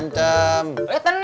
hancur saya terus hancur